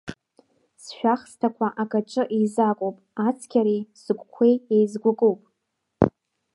Сшәахсҭақәа акаҿы еизакуп, Ацқьареи сыгәқәеи еизгәыкуп.